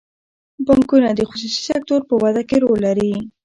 بانکونه د خصوصي سکتور په وده کې رول لري.